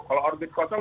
kalau orbit kosong